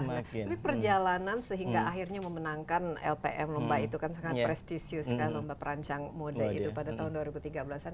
tapi perjalanan sehingga akhirnya memenangkan lpm lomba itu kan sangat prestisius kan lomba perancang mode itu pada tahun dua ribu tiga belas an